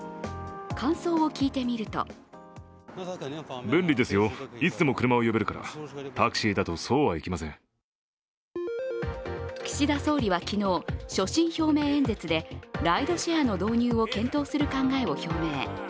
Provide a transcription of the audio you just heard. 感想を聞いてみると岸田総理は昨日、所信表明演説でライドシェアの導入を検討する考えを表明。